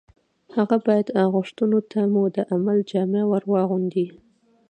هغه باید غوښتنو ته مو د عمل جامه ور واغوندي